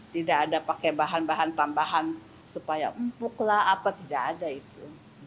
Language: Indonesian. tidak ada pakai bahan bahan tambahan supaya empuk lah apa tidak ada itu